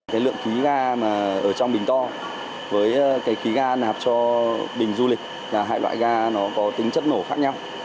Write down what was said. cái lượng khí ga mà ở trong bình to với cái khí ga nạp cho bình du lịch là hai loại ga nó có tính chất nổ khác nhau